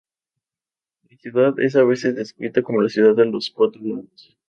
La ciudad es a veces descrita como la Ciudad de los Cuatro Lagos.